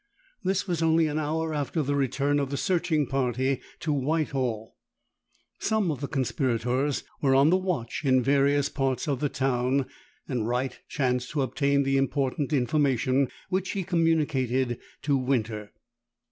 This was only an hour after the return of the searching party to Whitehall. Some of the conspirators were on the watch in various parts of the town; and Wright chanced to obtain the important information, which he communicated to Winter.